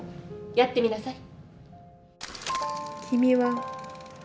やってみなさい。